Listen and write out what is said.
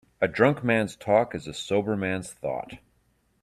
A drunk man's talk is a sober man's thought.